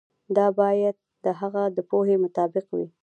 دا باید د هغه د پوهې مطابق وي.